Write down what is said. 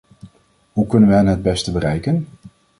Hoe kunnen we hen het best bereiken?